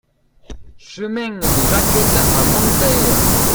Chemin des Jaquettes à Monteils